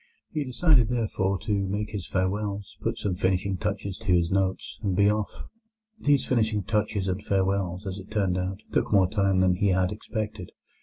He decided, therefore, to make his farewells, put some finishing touches to his notes, and be off. These finishing touches and farewells, as it turned out, took more time than he had expected.